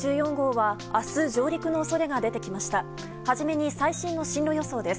はじめに最新の進路予想です。